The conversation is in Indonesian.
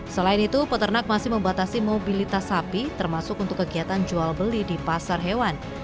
selain itu peternak masih membatasi mobilitas sapi termasuk untuk kegiatan jual beli di pasar hewan